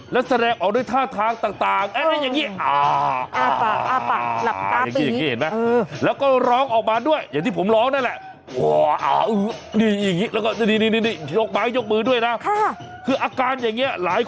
และแสดงออกด้วยท่าทางต่างอะไรอย่างนี้